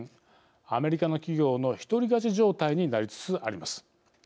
アメリカの企業の一人勝ち状態になりつつあります。